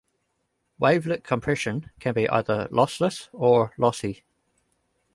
Wavelet compression can be either lossless or lossy.